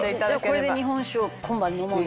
これで日本酒を今晩飲もうね。